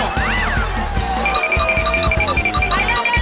เร็วเร็วเร็ว